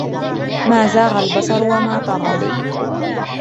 ما زاغ البصر وما طغى